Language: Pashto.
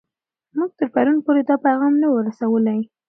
موږ تر پرون پورې دا پیغام نه و رسوولی.